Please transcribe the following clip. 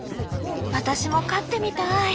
私も飼ってみたい。